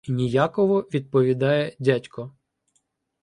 Ніяково відповідає дядько